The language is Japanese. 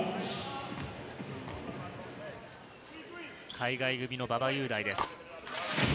海外組の馬場雄大です。